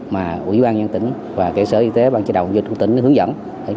mà ủy ban nhân tỉnh và sở y tế ban chế đồng dân chủ tỉnh hướng dẫn